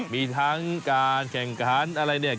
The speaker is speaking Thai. มีทั้งการแข่งขันอะไรเนี่ย